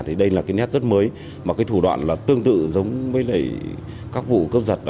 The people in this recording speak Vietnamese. thì đây là cái nét rất mới mà cái thủ đoạn là tương tự giống với lại các vụ cướp giật